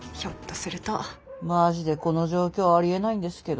マジでこの状況ありえないんですけど。